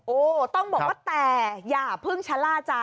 ต้องบอกว่าแต่อย่าเพิ่งชะล่าใจ